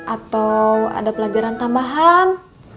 atau ada pelajaran tambahan